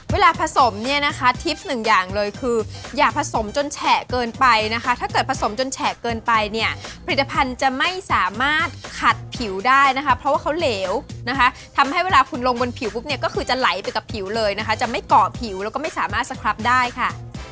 เวลาผสมเนี่ยนะคะทริปหนึ่งอย่างเลยคืออย่าผสมจนแฉะเกินไปนะคะถ้าเกิดผสมจนแฉะเกินไปเนี่ยผลิตภัณฑ์จะไม่สามารถขัดผิวได้นะคะเพราะว่าเขาเหลวนะคะทำให้เวลาคุณลงบนผิวปุ๊บเนี่ยก็คือจะไหลไปกับผิวเลยนะคะจะไม่เกาะผิวแล้วก็ไม่สามารถสครับได้ค่ะ